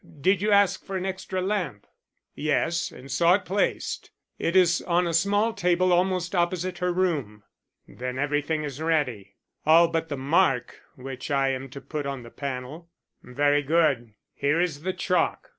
Did you ask for an extra lamp?" "Yes, and saw it placed. It is on a small table almost opposite her room." "Then everything is ready." "All but the mark which I am to put on the panel." "Very good. Here is the chalk.